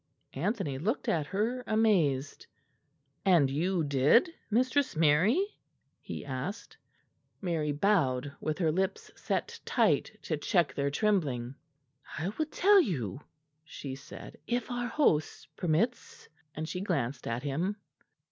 Anthony looked at her, amazed. "And you did, Mistress Mary?" he asked. Mary bowed, with her lips set tight to check their trembling. "I will tell you," she said, "if our host permits"; and she glanced at him.